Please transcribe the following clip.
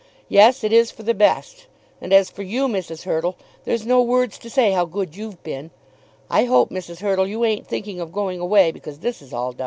Yes; it is for the best; and as for you, Mrs. Hurtle, there's no words to say how good you've been. I hope, Mrs. Hurtle, you ain't thinking of going away because this is all done." CHAPTER LXXXI. MR.